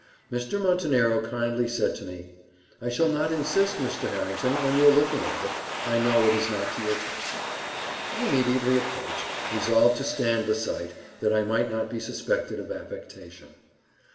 Mr. Montenero kindly said to me, "I shall not insist, Mr. Harrington, on your looking at it; I know it is not to your taste." I immediately approached, resolved to stand the sight, that I might not be suspected of affectation.